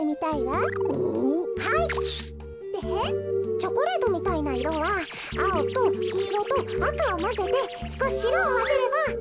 チョコレートみたいないろはあおときいろとあかをまぜてすこししろをまぜれば。